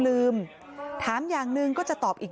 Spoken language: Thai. แม่บอกว่าแม่จะฟ้องลูกใช่ไหม